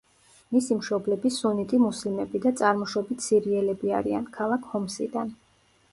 მისი მშობლები სუნიტი მუსლიმები და წარმოშობით სირიელები არიან, ქალაქ ჰომსიდან.